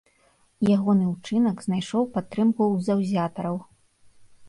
Ягоны ўчынак знайшоў падтрымку ў заўзятараў.